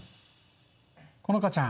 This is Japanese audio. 好花ちゃん